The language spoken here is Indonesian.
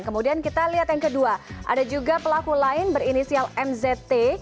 kemudian kita lihat yang kedua ada juga pelaku lain berinisial mzt